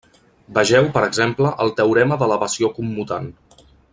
Vegeu, per exemple, el teorema d'elevació commutant.